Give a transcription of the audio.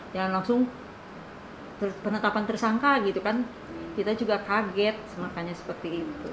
jangan langsung penetapan tersangka gitu kan kita juga kaget makanya seperti itu